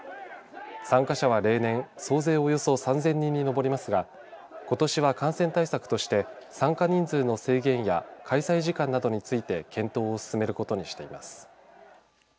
参加者は例年総勢およそ３０００人に上りますがことしは感染対策として参加人数の制限や開催時間などについて検討を進めることにしています。